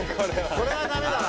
「これはダメだわ」